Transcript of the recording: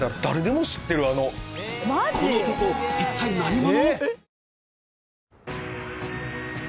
この男一体何者！？